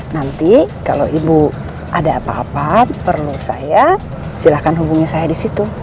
nanti kalau ibu ada apa apa perlu saya silakan hubungi saya di situ